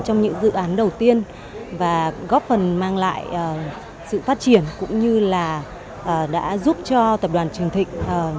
trong những dự án đầu tiên và góp phần mang lại sự phát triển cũng như là đã giúp cho tập đoàn trường thịnh